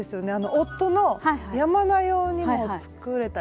夫の山名用にも作れたりします？